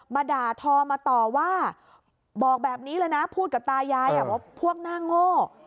ด่าทอมาต่อว่าบอกแบบนี้เลยนะพูดกับตายายว่าพวกหน้าโง่